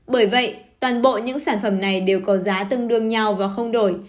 bởi vậy toàn bộ những sản phẩm này đều có giá tương đương nhau và không đổi